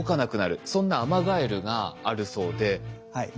そんなアマガエルがあるそうで。